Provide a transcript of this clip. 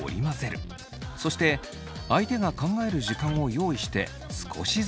そして相手が考える時間を用意して少しずつだそう。